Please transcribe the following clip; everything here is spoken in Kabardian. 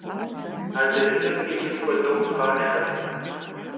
Adejjınem yi lım xuedeu pxhaşşe.